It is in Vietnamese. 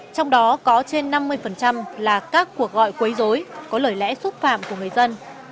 trong đó có trên năm mươi là các cuộc gọi quấy dối có lời lẽ xúc phạm của người dân